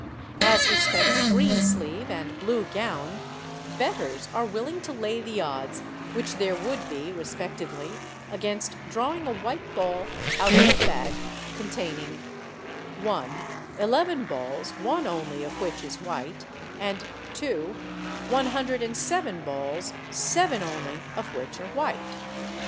As respects Green Sleeve and Blue Gown, bettors are willing to lay the odds which there would be, respectively, against drawing a white ball out of a bag containing—(1) eleven balls, one only of which is white, and (2) one hundred and seven balls, seven only of which are white.